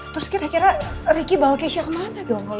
terus kira kira ricky bawa keisha kemana dong